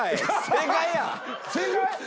正解や！